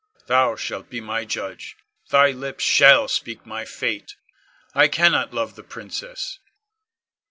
Thou shalt be my judge, thy lips shall speak my fate. I cannot love the princess.